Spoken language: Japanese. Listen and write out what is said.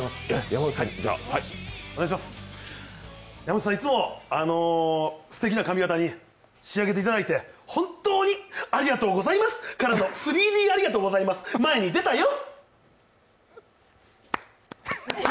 山内さん、いつもすてきな髪型に仕上げていただいて本当にありごとうございます、からの３Ｄありがとうございます、前に出たよ！